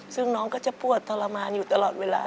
ซึ่งน้องก็จะปวดทรมานอยู่ตลอดเวลา